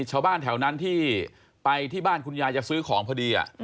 ชาวบ้านแถวนั้นที่ไปที่บ้านคุณยายจะซื้อของพอดี